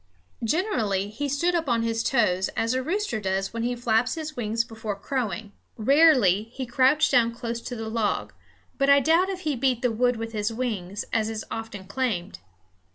Generally he stood up on his toes, as a rooster does when he flaps his wings before crowing; rarely he crouched down close to the log; but I doubt if he beat the wood with his wings, as is often claimed.